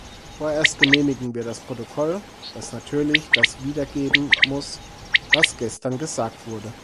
Vorerst genehmigen wir das Protokoll, das natürlich das wiedergeben muss, was gestern gesagt wurde.